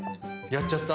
やっちゃった？